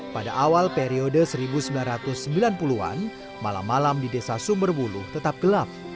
pada awal periode seribu sembilan ratus sembilan puluh an malam malam di desa sumberbulu tetap gelap